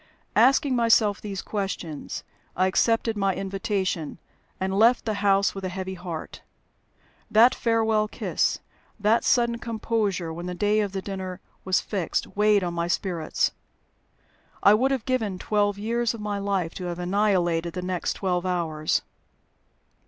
Asking myself these questions, I accepted my invitation, and left the house with a heavy heart. That farewell kiss, that sudden composure when the day of the dinner was fixed, weighed on my spirits. I would have given twelve years of my life to have annihilated the next twelve hours.